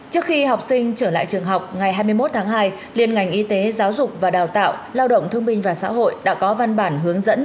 trước khi học sinh trở lại trường học ngày hai mươi một tháng hai liên ngành y tế giáo dục và đào tạo lao động thương minh và xã hội đã có văn bản hướng dẫn